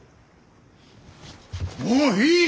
もういい！